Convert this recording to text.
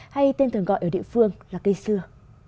hay tên thường gọi ở địa phương là cây xưa